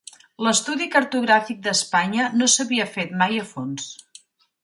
L'estudi cartogràfic d'Espanya no s'havia fet mai a fons.